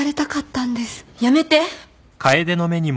やめて。